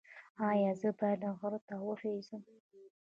ایا زه باید غر ته وخیزم؟